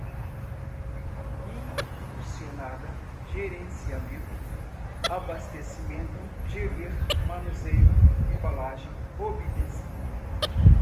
impulsionada, gerenciamento, abastecimento, gerir, manuseio, embalagem, obtenção